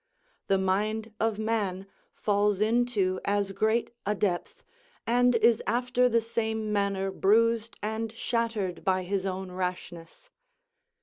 The mind of man falls into as great a depth, and is after the same manner bruised and shattered by his own rashness.